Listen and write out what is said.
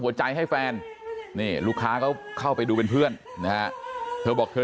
ใจให้แฟนนี่ลูกค้าก็เข้าไปดูเป็นเพื่อนนะฮะเธอบอกเธอ